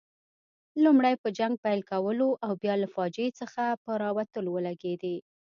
لومړی په جنګ پیل کولو او بیا له فاجعې څخه په راوتلو ولګېدې.